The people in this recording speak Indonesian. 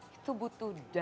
itu butuh daya